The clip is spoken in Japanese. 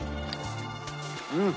うん！